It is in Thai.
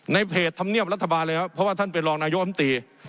ในเพจธรรมเนียบรัฐบาลเลยครับเพราะว่าท่านเป็นรองนายกรรมตรี